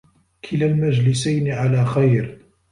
كِلَا الْمَجْلِسَيْنِ عَلَى خَيْرٍ